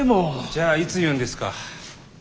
じゃあいつ言うんですか？